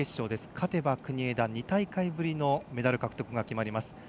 勝てば国枝、２大会ぶりのメダル獲得が決まります。